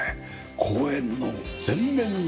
公園の前面の緑。